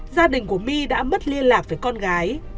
gia đình của my đã mất liên lạc với con gái